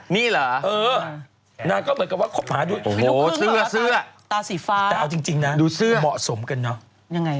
ไม่น่านะอยากบอกให้แต่นะแม่งนะแต่ตามมาดีงั้ยออก